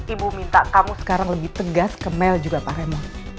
ibu minta kamu sekarang lebih tegas ke mel juga pak remo